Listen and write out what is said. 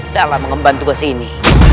dalam mengembal tugas ini